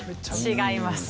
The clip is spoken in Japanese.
違います。